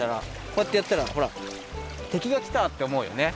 こうやってやったらほらてきがきた！っておもうよね。